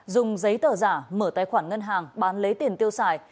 dùng giấy tờ giả mở tài khoản ngân hàng bán lấy tiền tiêu xài